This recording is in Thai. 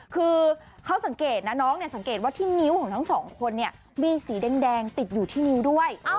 คือเขาสังเกตนะน้องเนี่ยสังเกตว่าที่นิ้วของทั้งสองคนเนี่ยมีสีแดงติดอยู่ที่นิ้วด้วย